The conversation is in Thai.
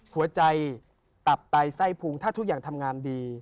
หัวใจตับไตไส้พุงถ้าทุกอย่างทำงานดี